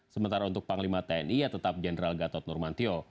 sementara untuk panglima tni tetap jenderal gatot nurmantio